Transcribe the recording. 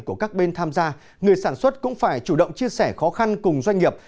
của các bên tham gia người sản xuất cũng phải chủ động chia sẻ khó khăn cùng doanh nghiệp